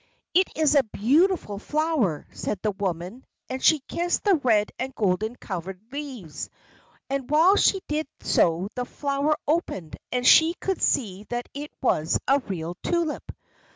"It is a beautiful flower," said the woman, and she kissed the red and golden coloured leaves, and while she did so the flower opened, and she could see that it was a real tulip.